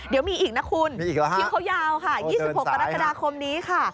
เดี๋ยวมีอีกนะคุณคิ้วเขายาวค่ะ๒๖กรกฎาคมนี้ค่ะ